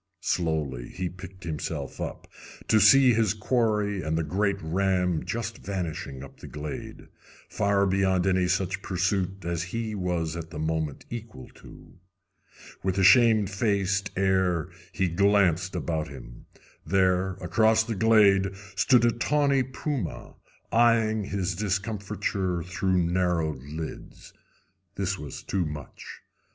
Slowly he picked himself up, to see his quarry and the great ram just vanishing up the glade, far beyond any such pursuit as he was at the moment equal to. With a shamefaced air he glanced about him. There, across the glade, stood a tawny puma, eyeing his discomfiture through narrowed lids. This was too much.